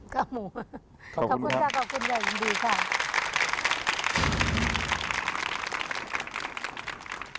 ขอบคุณค่ะขอบคุณยายยินดีค่ะ